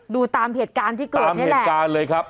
ดูตามเหตุการณ์ที่เกิดเนี่ยแหละ